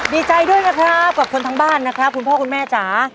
ดีใจด้วยนะครับกับคนทั้งบ้านนะครับคุณพ่อคุณแม่จ๋า